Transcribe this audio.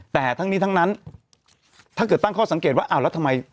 แต่ทั้งนี้ทั้งนั้นถ้าเกิดตั้งข้อสังเกตว่าอ้าวแล้วทำไม